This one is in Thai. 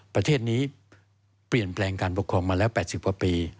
ประเทศนี้เปลี่ยนแปลงการปกครองมาแล้ว๘๐กว่าปี